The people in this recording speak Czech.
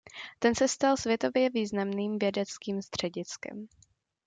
Ten se stal světově významným vědeckým střediskem.